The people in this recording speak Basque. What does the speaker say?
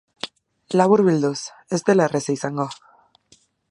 Laburbilduz, ez dela erraza izango.